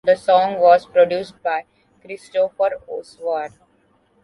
The song was produced by Christoph Oswald.